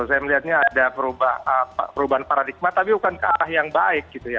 saya melihatnya ada perubahan paradigma tapi bukan ke arah yang baik gitu ya